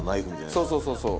そうそうそうそう。